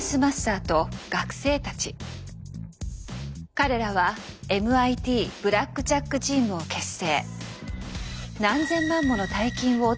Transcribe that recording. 彼らはＭＩＴブラックジャック・チームを結成。